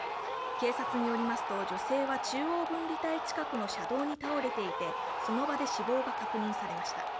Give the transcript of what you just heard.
警察によりますと女性は中央分離帯近くの車道に倒れていてその場で死亡が確認されました。